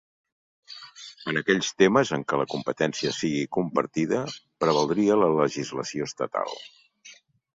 En aquells temes en què la competència sigui compartida, prevaldria la legislació estatal.